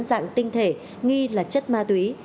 dạng tinh thể nghi là chất ma túy